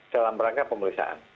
dalam rangka pemeriksaan